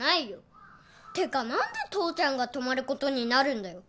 てか何で父ちゃんが泊まることになるんだよ。